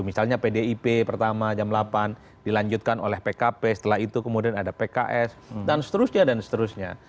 misalnya pdip pertama jam delapan dilanjutkan oleh pkp setelah itu kemudian ada pks dan seterusnya dan seterusnya